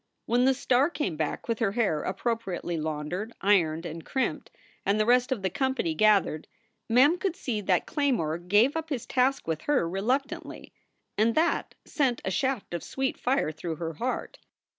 When the star came back with her hair appropriately laundered, ironed, and crimped, and the rest of the company gathered, Mem could see that Claymore gave up his task with her reluctantly. And that sent a shaft of sweet fire through her heart.